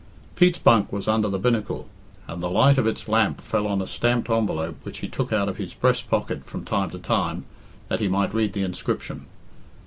Pete's bunk was under the binnacle, and the light of its lamp fell on a stamped envelope which he took out of his breast pocket from time to time that he might read the inscription.